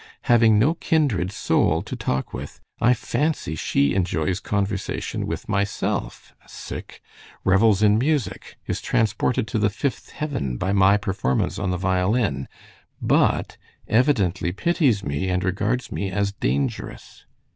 Having no kindred soul to talk with, I fancy she enjoys conversation with myself, revels in music, is transported to the fifth heaven by my performance on the violin, but evidently pities me and regards me as dangerous.